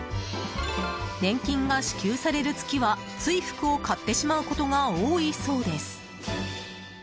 年金が支給される月はつい、服を買ってしまうことが多いそうです。